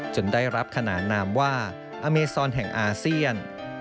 ได้รับขนานนามว่าอเมซอนแห่งอาเซียน